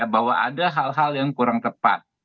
bahwa ada hal hal yang kurang tepat